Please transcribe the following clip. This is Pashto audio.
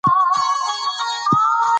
نمک د افغانستان په هره برخه کې موندل کېږي.